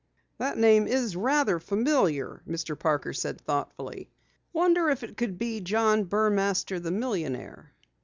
"That name is rather familiar," Mr. Parker said thoughtfully. "Wonder if it could be John Burmaster, the millionaire?